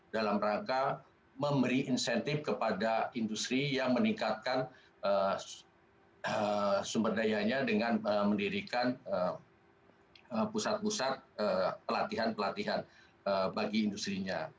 dalam rangka memberi insentif kepada industri yang meningkatkan sumber dayanya dengan mendirikan pusat pusat pelatihan pelatihan bagi industri nya